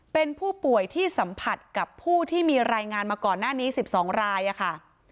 เป็นผู้ป่วยที่สัมผัสกับผู้ที่มีรายงานมาก่อนหน้านี้๑๒รายค่ะ